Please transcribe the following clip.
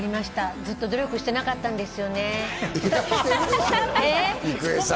ずっと努力してなかったんですよね。